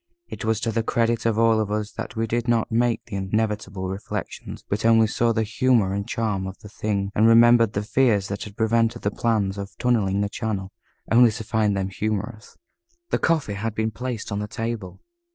It was to the credit of all of us that we did not make the inevitable reflections, but only saw the humor and charm of the thing, and remembered the fears that had prevented the plans of tunnelling the channel, only to find them humorous. The coffee had been placed on the table.